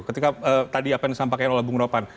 ketika tadi apa yang disampaikan oleh bung ropan